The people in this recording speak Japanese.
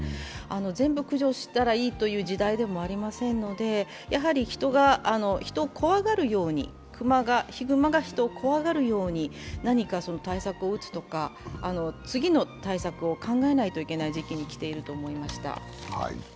全部駆除したらいいという時代でもありませんので、やはりヒグマが人を怖がるように何か対策を打つとか、次の対策を考えないといけない時期に来ていると思いました。